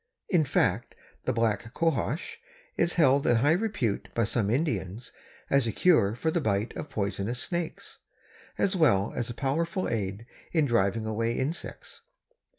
In fact, the Black Cohosh is held in high repute by some Indians as a cure for the bite of poisonous snakes, as well as a powerful aid in driving away insects.